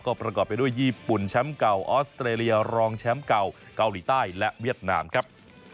ประกอบไปด้วยญี่ปุ่นแชมป์เก่าออสเตรเลียรองแชมป์เก่าเกาหลีใต้และเวียดนามครับ